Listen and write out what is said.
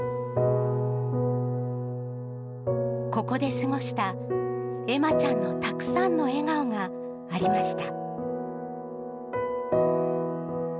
ここで過ごした恵麻ちゃんのたくさんの笑顔がありました。